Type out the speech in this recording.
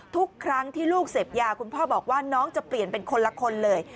ทุกครั้งที่ลูกเสพยาคุณพ่อบอกว่าน้องจะเปลี่ยนเป็นคนละคนเลย